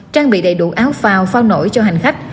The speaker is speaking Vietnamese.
trang bị đầy đủ áo phao phao nổi cho hành khách